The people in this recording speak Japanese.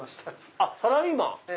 あっサラリーマン。